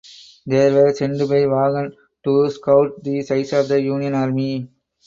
They were sent by Vaughn to scout the size of the Union army.